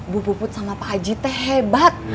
bu puput sama pak aji teh hebat